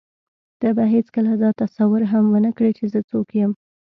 ته به هېڅکله دا تصور هم ونه کړې چې زه څوک یم.